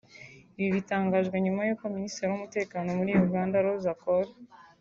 Ibi bitangajwe nyuma y’uko Minisitiri w’Umutekano muri Uganda Rose Akol